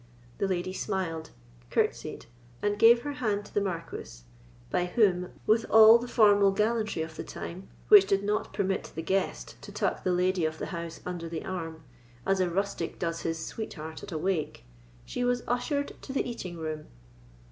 The lady smiled, courtesied, and gave her hand to the Marquis, by whom, with all the formal gallantry of the time, which did not permit the guest to tuck the lady of the house under the arm, as a rustic does his sweetheart at a wake, she was ushered to the eating room.